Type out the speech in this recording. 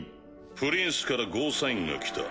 プリンスからゴーサインが来た。